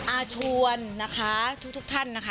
อาชวนนะคะทุกท่านนะคะ